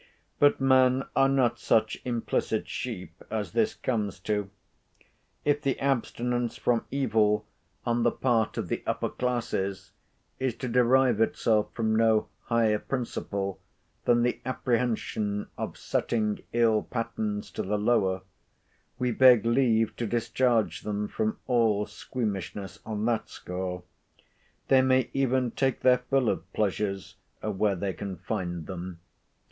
But men are not such implicit sheep as this comes to. If the abstinence from evil on the part of the upper classes is to derive itself from no higher principle, than the apprehension of setting ill patterns to the lower, we beg leave to discharge them from all squeamishness on that score: they may even take their fill of pleasures, where they can find them.